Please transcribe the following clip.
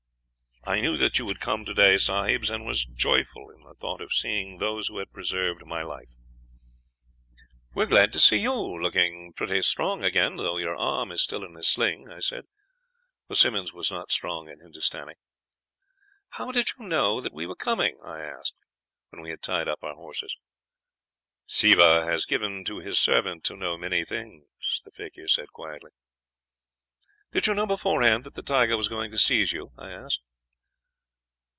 "'I knew that you would come today, sahibs, and was joyful in the thought of seeing those who have preserved my life.' "'We are glad to see you looking pretty strong again, though your arm is still in a sling,' I said, for Simmonds was not strong in Hindustani. "'How did you know that we were coming?' I asked, when we had tied up our horses. "'Siva has given to his servant to know many things,' he said quietly. "'Did you know beforehand that the tiger was going to seize you?' I asked.